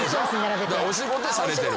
お仕事されてる。